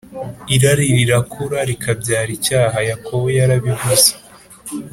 Irari rirakura rikabyara icyaha Yakobo yarabivuze